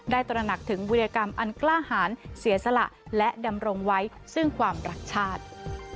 ตระหนักถึงวิทยากรรมอันกล้าหารเสียสละและดำรงไว้ซึ่งความรักชาติ